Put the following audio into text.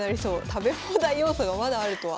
食べ放題要素がまだあるとは。